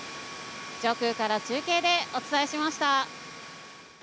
上空から中継でお伝えしました。